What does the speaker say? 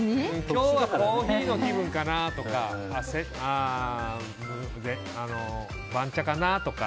今日はコーヒーの気分かなとか番茶かなとか。